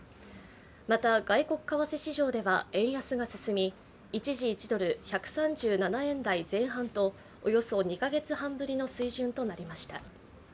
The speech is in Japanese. また、外国為替市場では円安が進み一時、１ドル＝１３７円台前半とおよそ２カ月半ぶりの水準となりました。